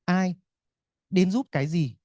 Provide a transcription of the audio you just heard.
ai đến giúp cái gì